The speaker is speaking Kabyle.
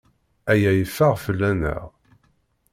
Aya yeffeɣ fell-aneɣ.